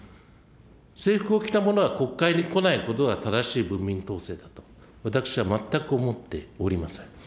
制服を着た者が国会に来ないことが正しい文民統制だと私は全く思っておりません。